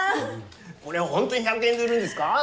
これほんとに１００円で売るんですか？